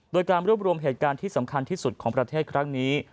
โดยการรวบรวมเหตุการณ์ที่สำคัญที่สุดของประเทศครั้งนี้